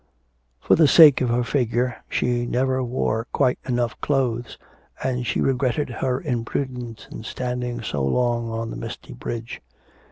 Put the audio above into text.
For the sake of her figure she never wore quite enough clothes, and she regretted her imprudence in standing so long on the misty bridge.